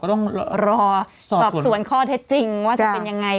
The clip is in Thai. รอสอบส่วนข้อเททจริงว่าจะเป็นอย่างไร